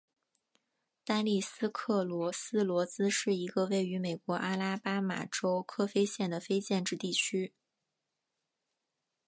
丹利斯克罗斯罗兹是一个位于美国阿拉巴马州科菲县的非建制地区。